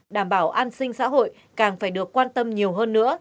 đảm bảo an sinh xã hội càng phải được quan tâm nhiều hơn nữa